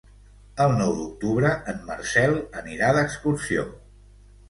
El nou d'octubre en Marcel anirà d'excursió.